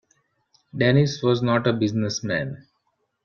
Dennis was not a business man.